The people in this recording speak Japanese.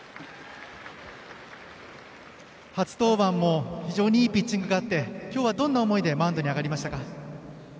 初登板も非常にいいピッチングがあり今日はどんな思いでマウンドに上がりましたか。